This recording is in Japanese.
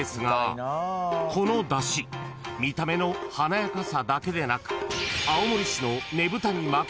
［この山車見た目の華やかさだけでなく］